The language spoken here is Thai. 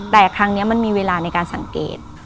แต่ครั้งนี้มันมีเวลาในการสังเกต